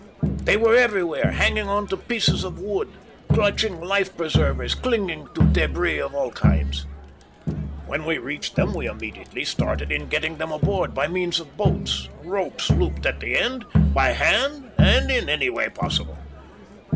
They were everywhere, hanging on to pieces of wood, clutching life preservers, clinging to débris of all kinds. "When we reached them we immediately started in getting them aboard by means of boats, ropes looped at the end, by hand, and in any way possible.